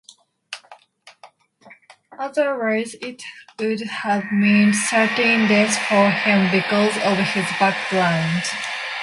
Otherwise it would have meant certain death for him because of his background.